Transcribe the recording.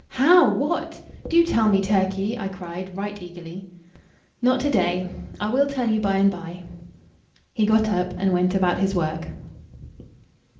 "How? What? Do tell me, Turkey," I cried, right eagerly. "Not to day. I will tell you by and by." He got up and went about his work.